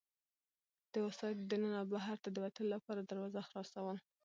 د وسایطو د ننه او بهرته د وتلو لپاره دروازه خلاصول.